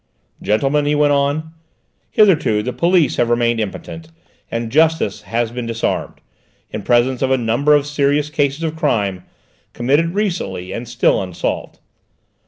"Gentlemen," he went on, "hitherto the police have remained impotent, and justice has been disarmed, in presence of a number of serious cases of crime, committed recently and still unsolved.